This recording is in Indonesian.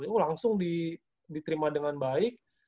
ini langsung diterima dengan baik